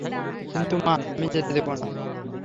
কিন্তু মা, আমি যেতে দেব না।